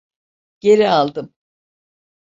Geri aldım.